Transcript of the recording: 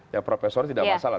ya profesor tidak masalah